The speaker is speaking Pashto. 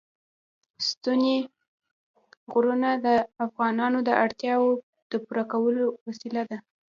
ستوني غرونه د افغانانو د اړتیاوو د پوره کولو وسیله ده.